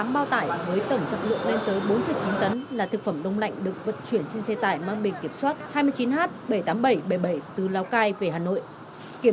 tám bao tải với tổng trọng lượng lên tới bốn chín tấn là thực phẩm đông lạnh được vận chuyển trên xe tải mang bình kiểm soát hai mươi chín h bảy mươi tám nghìn bảy trăm bảy mươi bảy từ lào cai về hà nội